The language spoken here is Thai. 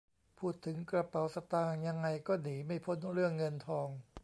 พูดถึงกระเป๋าสตางค์ยังไงก็หนีไม่พ้นเรื่องเงินทอง